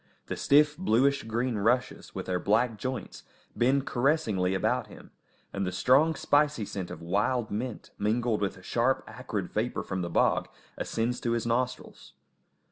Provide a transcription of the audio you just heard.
The stiff, bluish green rushes, with their black joints, bend caressingly about him, and the strong, spicy scent of wild mint, mingled with the sharp, acrid vapour from the bog, ascends to his nostrils.